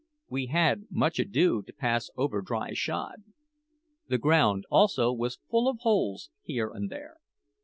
We had much ado to pass over dry shod. The ground, also, was full of holes here and there.